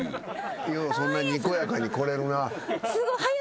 ようそんなにこやかに来れるな。